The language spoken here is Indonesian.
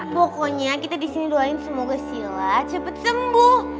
pokoknya kita disini doain semoga silat cepet sembuh